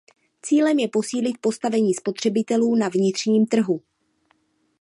Cílem je posílit postavení spotřebitelů na vnitřním trhu.